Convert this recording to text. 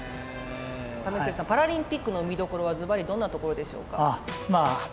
為末さんパラリンピックの見どころはずばりどんなところでしょうか？